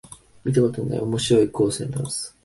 見たことない面白い構成のダンス